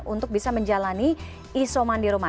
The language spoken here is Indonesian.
untuk bisa menjalani isoman di rumah